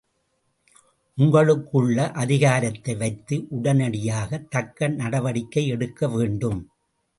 உங்களுக்குள்ள அதிகாரத்தை வைத்து உடனடியாக தக்க நடவடிக்கை எடுக்க வேண்டும்.